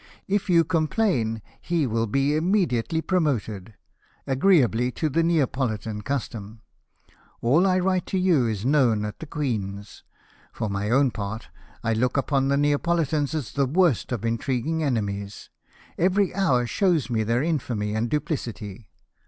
If you complain he will be immediately promoted — agreeably to the Neapolitan custom. All I write to you is known at the queen's. For my own part, I look upon the Neapolitans as the worst of intriguing enemies ; every hour shows me their infamy and duplicity.